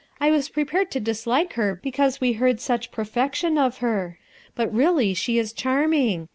I was prepared to dislike her because we heard such perfection of her ; but really she is charming.